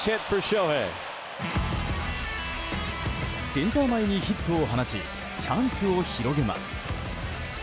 センター前にヒットを放ちチャンスを広げます。